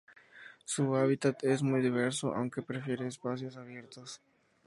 Su hábitat es muy diverso, aunque prefiere espacios abiertos.